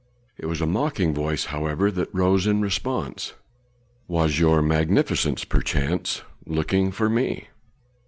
It was a mocking voice, however, that rose in response: "Was your Magnificence perchance looking for me?"